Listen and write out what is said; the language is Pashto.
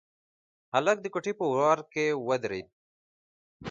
هلک د کوټې په وره کې ودرېد.